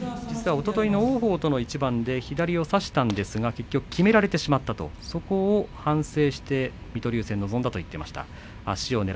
おとといの王鵬との一番で左を差したんですが結局きめられてしまったそこを反省して水戸龍戦臨んだと話していました。